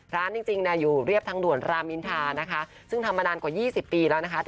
จริงอยู่เรียบทางด่วนรามอินทานะคะซึ่งทำมานานกว่า๒๐ปีแล้วนะคะ